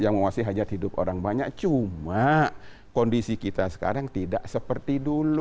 yang menguasai hajat hidup orang banyak cuma kondisi kita sekarang tidak seperti dulu